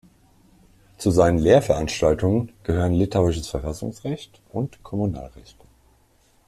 Zu seinen Lehrveranstaltungen gehören Litauisches Verfassungsrecht und Kommunalrecht.